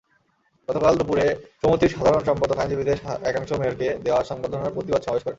গতকাল দুপুরে সমিতির সাধারণ সম্পাদকসহ আইনজীবীদের একাংশ মেয়রকে দেওয়া সংবর্ধনার প্রতিবাদ সমাবেশ করেন।